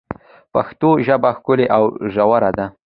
پښتو ژبه ښکلي او ژوره ده.